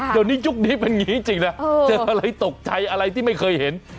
เดี๋ยวนี้ยุคนี้เป็นอย่างนี้จริงนะเจออะไรตกใจอะไรที่ไม่เคยเห็น